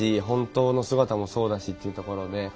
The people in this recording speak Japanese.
本当の姿もそうだしっていうところで。